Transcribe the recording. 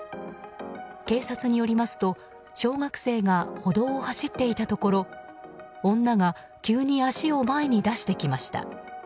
警察によりますと小学生が歩道を走っていたところ女が急に足を前に出してきました。